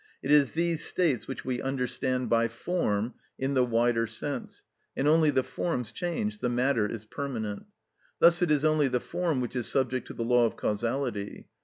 It is these states which we understand by form, in the wider sense; and only the forms change, the matter is permanent. Thus it is only the form which is subject to the law of causality.